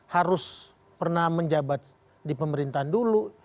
harus pernah menjabat di pemerintahan dulu